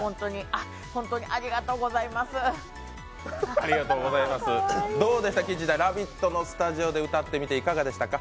あっ、本当にありがとうございます「ラヴィット！」のスタジオの歌ってみていかがでしたか？